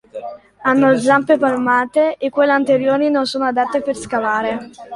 Hanno zampe palmate e quelle anteriori non sono adatte per scavare.